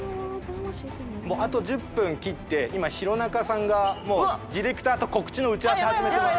もうあと１０分切って今弘中さんがもうディレクターと告知の打ち合わせ始めてます。